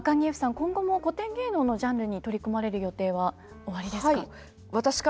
今後も古典芸能のジャンルに取り組まれる予定はおありですか？